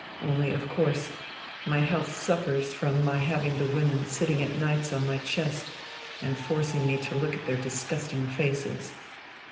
Only of course my health suffers from my having the women sitting at nights on my chest and forcing me to look at their disgusting faces.